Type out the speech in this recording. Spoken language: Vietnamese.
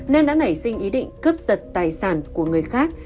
nên đã nảy sinh ý định cướp giật tài sản của người khác